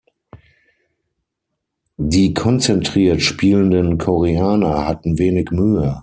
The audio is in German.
Die konzentriert spielenden Koreaner hatten wenig Mühe.